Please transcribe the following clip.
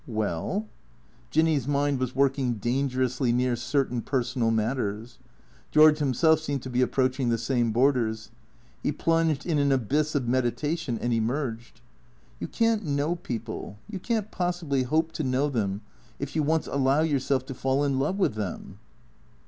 " Well ?" Jinny's mind was working dangerously near cer tain personal matters. George himself seemed to be approach ing the same borders. He plunged in an abyss of meditation and emerged. " You can't know people, you can't possibly hope to know them, if you once allow yourself to fall in love with them."